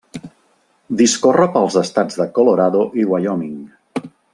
Discorre pels estats de Colorado i Wyoming.